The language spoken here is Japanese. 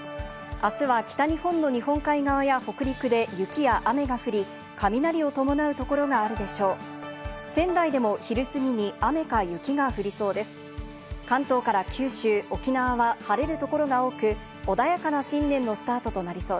あすは北日本の日本海側や、北陸で雪や雨が降り、雷を伴う所があるでしょう。